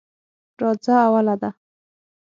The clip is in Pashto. راځه اوله ده.